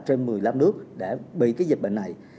trên một mươi năm nước để bị cái dịch bệnh này